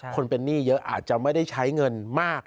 คนเป็นหนี้เยอะอาจจะไม่ได้ใช้เงินมาก